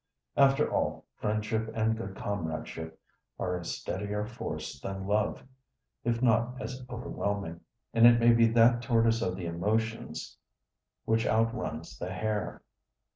After all, friendship and good comradeship are a steadier force than love, if not as overwhelming, and it may be that tortoise of the emotions which outruns the hare.